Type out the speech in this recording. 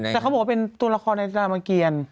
แต่เขาบอกว่าเป็นตัวละครในรามเกียร